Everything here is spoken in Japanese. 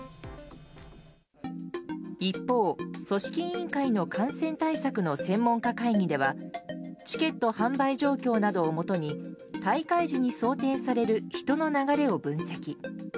一方、組織委員会の感染対策の専門家会議ではチケット販売状況などをもとに大会時に想定される人の流れを分析。